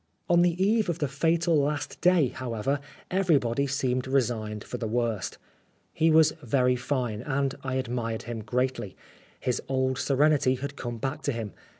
On the eve of the fatal last day, however, everybody seemed resigned for the worst. He was very fine, and I admired him greatly. His old serenity had come back to him.